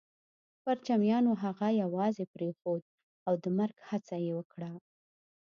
پرچمیانو هغه يوازې پرېښود او د مرګ هڅه يې وکړه